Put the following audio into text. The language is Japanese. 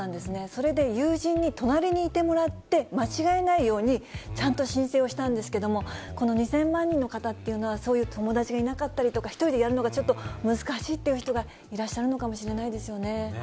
それで、友人に隣にいてもらって、間違えないように、ちゃんと申請をしたんですけれども、この２０００万人の方っていうのは、そういう友達がいなかったりとか、１人でやるのがちょっと難しいっていう人がいらっしゃるのかもしれないですよね。